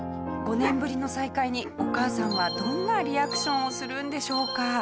５年ぶりの再会にお母さんはどんなリアクションをするんでしょうか？